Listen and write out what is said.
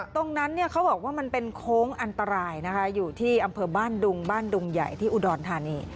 เขาบอกว่ามันเป็นโค้งอันตรายนะคะอยู่ที่อำเภอบ้านดุงบ้านดุงใหญ่ที่อุดรธานี